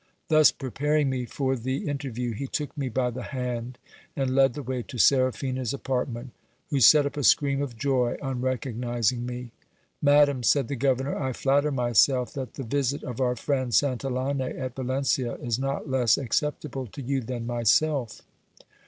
Thus preparing me for the in terview, he took me by the hand and led the way to Seraphina's apartment, who setup a scream of joy on recognizing me. Madam, said the governor, I flatter myselt that the visit of our friend Santillane at Valencia is not less acceptable to you than myself.